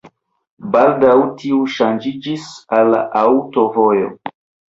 Baldaŭ tiu ŝanĝiĝis al aŭtovojo.